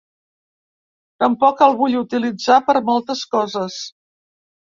Tampoc el vull utilitzar per moltes coses.